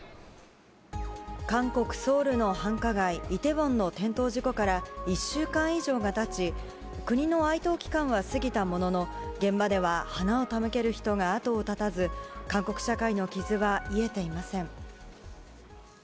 韓国・ソウルの繁華街、イテウォンの転倒事故から１週間以上がたち、国の哀悼期間は過ぎたものの、現場では花を手向ける人が後を絶たず、韓国社会の傷は癒えていません。